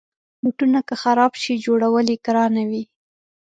بوټونه که خراب شي، جوړول یې ګرانه وي.